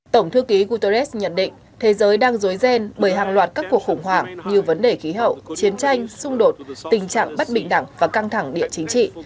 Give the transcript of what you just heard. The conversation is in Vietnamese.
tổng thư ký guterres nhận định thế giới đang dối ghen bởi hàng loạt các cuộc khủng hoảng như vấn đề khí hậu chiến tranh xung đột tình trạng bất bình đẳng và căng thẳng địa chính trị